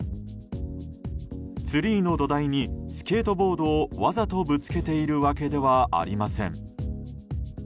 ツリーの土台にスケートボードをわざとぶつけているわけではありません。